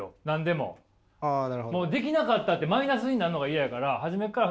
もうできなかったってマイナスになるのが嫌やからなるほど。